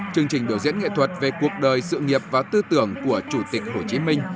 chương trình biểu diễn nghệ thuật về cuộc đời sự nghiệp và tư tưởng của chủ tịch hồ chí minh